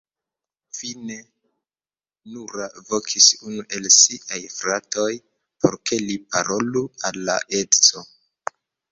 Fine, Noura vokis unu el siaj fratoj, por ke li parolu al la edzo.